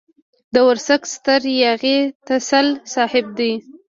د ورسک ستر ياغي تسل صاحب دی.